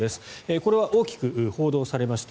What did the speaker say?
これは大きく報道されました。